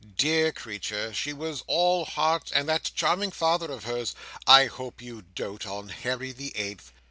Dear creature! She was all Heart And that charming father of hers! I hope you dote on Harry the Eighth!"